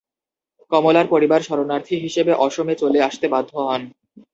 কমলার পরিবার শরণার্থী হিসেবে অসমে চলে আসতে বাধ্য হন।